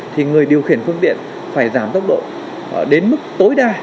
thì người điều khiển phương tiện phải giảm tốc độ đến mức tối đa